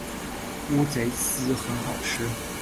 乌贼丝很好吃